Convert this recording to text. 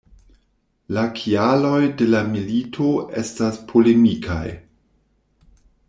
La kialoj de la milito estas polemikaj.